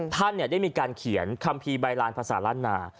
ท่านได้มีการเขียนคัมภีร์ใบลานภาษาล้านนา